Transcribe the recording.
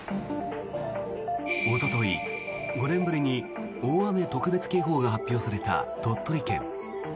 おととい、５年ぶりに大雨特別警報が発表された鳥取県。